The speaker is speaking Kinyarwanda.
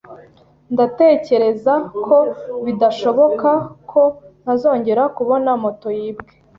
Ndatekereza ko bidashoboka ko ntazongera kubona moto yibwe